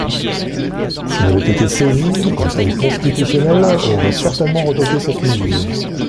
S’il avait été saisi, le Conseil constitutionnel aurait certainement retoqué cette mesure.